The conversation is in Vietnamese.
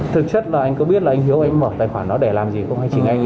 thực chất là anh có biết là anh hiếu mở tài khoản đó để làm gì không